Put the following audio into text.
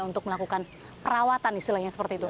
untuk melakukan perawatan istilahnya seperti itu